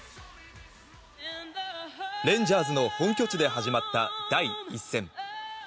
レンジャーズの本拠地で始まった、第１戦。